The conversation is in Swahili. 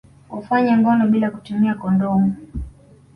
Kufanya ngono bila ya kutumia kondomu